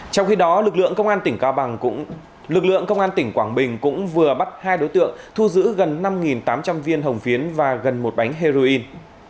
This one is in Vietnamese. trong khi đó lực lượng công an tỉnh quảng bình cũng vừa bắt hai đối tượng thu giữ gần năm tám trăm linh viên hồng phiến và gần một bánh heroin